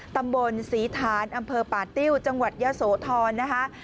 ตำบลศรีฐานอำเภอป่าติ้วจังหวัดยะโสธรนะคะ